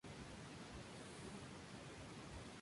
Muchos caen y parecen realmente estar muy desesperados.